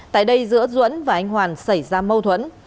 tại đây giữa duẫn và anh hoàn xảy ra mâu thuẫn